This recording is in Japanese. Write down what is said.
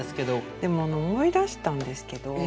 でも思い出したんですけど